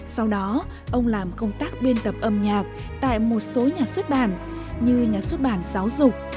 sau đó ông làm công tác biên tập âm nhạc tại một số nhà xuất bản như nhà xuất bản giáo dục